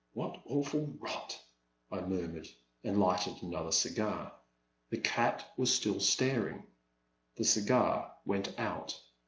What awful rot !I murmured, and lighted another cigar. The cat was still staring ; the cigar went out.